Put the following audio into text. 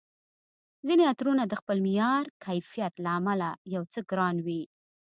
ځیني عطرونه د خپل معیار، کیفیت له امله یو څه ګران وي